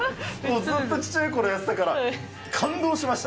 ずっと小さいころやってたから、感動しました。